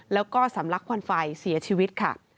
แล้วก็สำลักควันไฟเสียชีวิตค่ะ